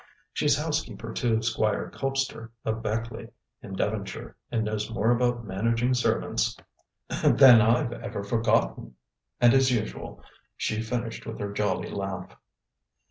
She's housekeeper to Squire Colpster, of Beckleigh, in Devonshire, and knows more about managing servants than I've ever forgotten." And, as usual, she finished with her jolly laugh.